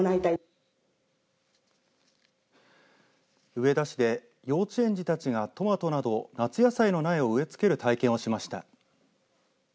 上田市で幼稚園児たちがトマトなど夏野菜の苗を植え付ける体験をしました。